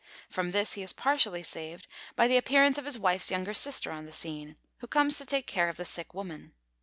From this he is partially saved by the appearance of his wife's younger sister on the scene, who comes to take care of the sick woman.